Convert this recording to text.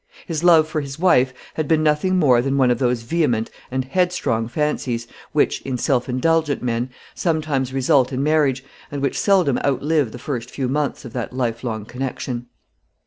His love for his wife had been nothing more than one of those vehement and headstrong fancies, which, in self indulgent men, sometimes result in marriage, and which seldom outlive the first few months of that life long connection.